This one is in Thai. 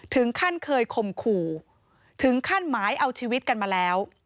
ถึงขั้นเคยข่มขู่ถึงขั้นหมายเอาชีวิตกันมาแล้ว